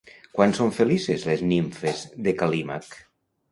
Quan són felices les nimfes de Cal·límac?